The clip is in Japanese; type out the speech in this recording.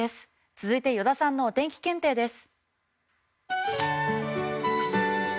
続いて依田さんのお天気検定です。